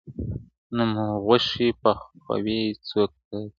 • نه مو غوښي پخوي څوک په ځولیو -